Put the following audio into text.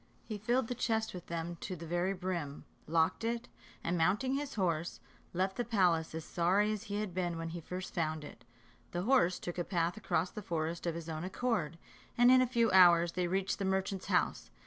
He filled the chest with them to the very brim, locked it, and mounting his horse, left the palace as sorry as he had been glad when he first found it. The horse took a path across the forest of his own accord, and in a few hours they reached the merchant's house.